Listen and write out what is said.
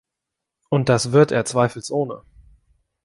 Und das wird er zweifelsohne.